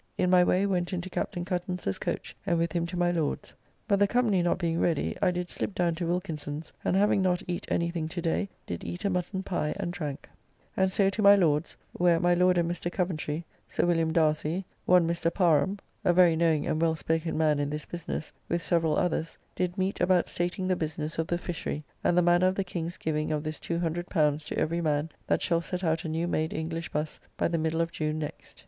(In my way went into Captn. Cuttance's coach, and with him to my Lord's.) But the company not being ready I did slip down to Wilkinson's, and having not eat any thing to day did eat a mutton pie and drank, and so to my Lord's, where my Lord and Mr. Coventry, Sir Wm. Darcy, one Mr. Parham (a very knowing and well spoken man in this business), with several others, did meet about stating the business of the fishery, and the manner of the King's giving of this L200 to every man that shall set out a new made English Busse by the middle of June next.